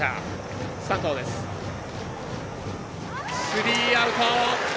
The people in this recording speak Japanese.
スリーアウト。